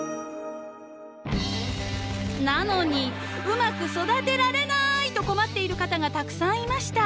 なのに「うまく育てられない！」と困っている方がたくさんいました。